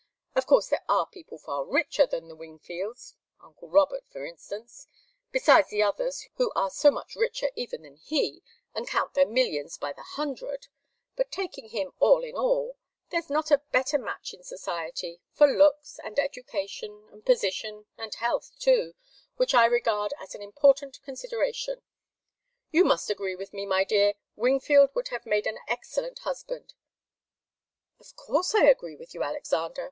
Of course there are people far richer than the Wingfields uncle Robert, for instance, besides the others who are so much richer even than he, and count their millions by the hundred; but taking him all in all, there's not a better match in society for looks, and education, and position, and health, too, which I regard as a very important consideration. You must agree with me, my dear Wingfield would have made an excellent husband." "Of course I agree with you, Alexander.